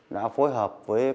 đã phối hợp với các bộ